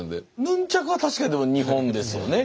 ヌンチャクは確かにでも日本ですよね。